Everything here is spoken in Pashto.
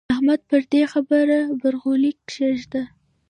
احمده پر دې خبره برغولی کېږده.